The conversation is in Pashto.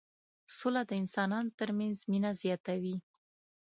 سوله د انسانانو ترمنځ مينه زياتوي.